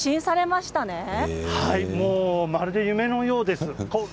まるで夢のようです。